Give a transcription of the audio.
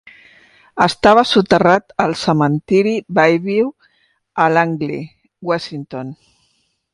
Estava soterrat al cementeri Bayview a Langley, Washington.